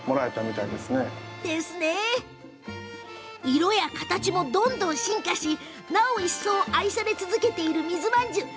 色や形もどんどん進化しそして愛され続けている水まんじゅう。